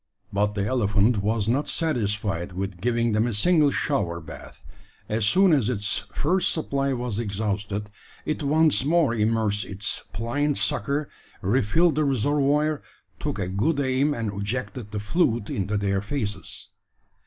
But the elephant was not satisfied with giving them a single shower bath. As soon as its first supply was exhausted, it once more immersed its pliant sucker, re filled the reservoir, took a good aim, and ejected the fluid into their faces.